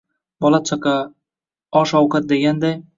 Bola-chaqa, osh-ovqat deganday